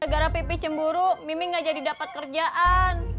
gara gara pipi cemburu mimi gak jadi dapat kerjaan